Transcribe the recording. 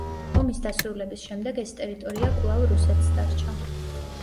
ომის დასრულების შემდეგ, ეს ტერიტორია კვლავ რუსეთს დარჩა.